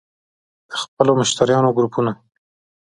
- د خپلو مشتریانو ګروپونه